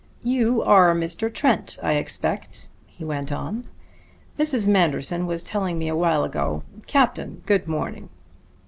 "You are Mr. Trent, I expect," he went on. "Mrs. Manderson was telling me a while ago. Captain, good morning."